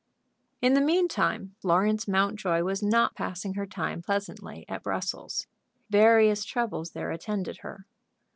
In the mean time Florence Mountjoy was not passing her time pleasantly at Brussels. Various troubles there attended her.